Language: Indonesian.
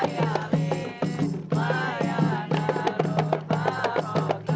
jadi tentu kalau ada yang bekerja sama saya